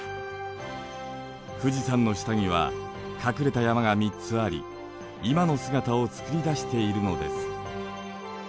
富士山の下には隠れた山が３つあり今の姿をつくり出しているのです。